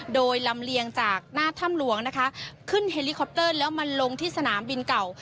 โดยลำเลียงจากหน้าถ้ำหลวงนะคะขึ้นเฮลิคอปเตอร์แล้วมาลงที่สนามบินเก่า